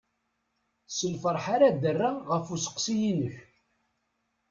S lferḥ ara d-rreɣ ɣef usteqsi-inek.